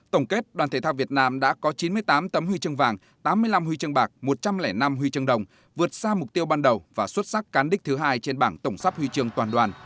tổng kết đoàn thể thao việt nam đã có chín mươi tám tấm huy chương vàng tám mươi năm huy chương bạc một trăm linh năm huy chương đồng vượt xa mục tiêu ban đầu và xuất sắc cán đích thứ hai trên bảng tổng sắp huy chương toàn đoàn